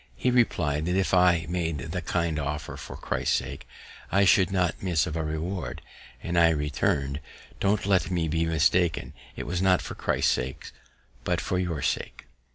He reply'd, that if I made that kind offer for Christ's sake, I should not miss of a reward. And I returned, "_Don't let me be mistaken; it was not for Christ's sake, but for your sake.